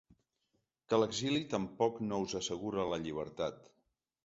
Que l’exili tampoc no us assegura la llibertat.